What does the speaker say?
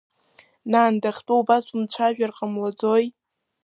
Нан дахьтәоу убас умцәажәар ҟамлаӡои?